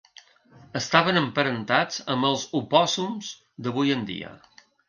Estaven emparentats amb els opòssums d'avui en dia.